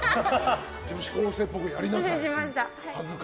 女子高生っぽくやりなさい。